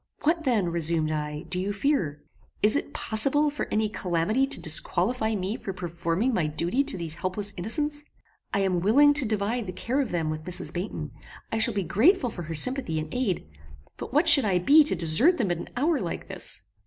"What then," resumed I, "do you fear? Is it possible for any calamity to disqualify me for performing my duty to these helpless innocents? I am willing to divide the care of them with Mrs. Baynton; I shall be grateful for her sympathy and aid; but what should I be to desert them at an hour like this!"